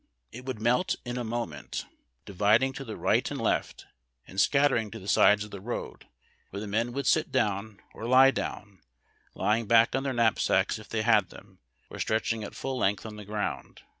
It would melt in a moment, dividing to the right and left, and scattering to the sides of the road, where the men would sit down or lie down, lying back on their knapsacks if they had them, or stretching at full length on the ground.